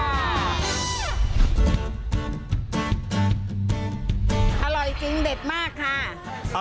อร่อยจริงเด็ดมากค่ะ